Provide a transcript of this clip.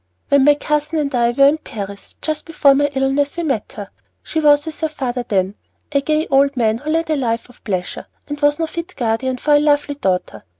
"When my cousin and I were in Paris, just before my illness, we met her. She was with her father then, a gay old man who led a life of pleasure, and was no fit guardian for a lovely daughter.